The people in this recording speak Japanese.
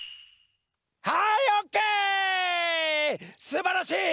すばらしい！